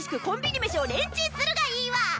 コンビニ飯をレンチンするがいいわ！